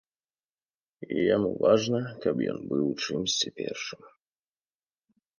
Яму важна, каб ён быў у чымсьці першым.